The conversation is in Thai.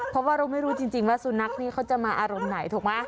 เพราะว่าเราไม่รู้จริงว่าสุนัขนี้เขาจะมาอารมณ์ไหนถูกไหม